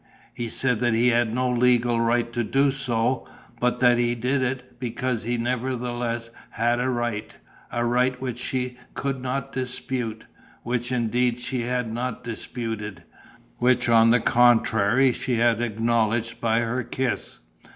He said that he had no legal right to do so, but that he did it because he nevertheless had a right, a right which she could not dispute, which indeed she had not disputed, which on the contrary she had acknowledged by her kiss.